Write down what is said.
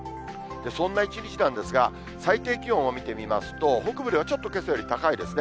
そんな一日なんですが、最低気温を見てみますと、北部ではちょっとけさより高いですね。